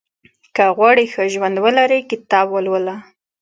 • که غواړې ښه ژوند ولرې، کتاب ولوله.